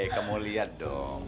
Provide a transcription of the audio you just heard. eh kamu liat dong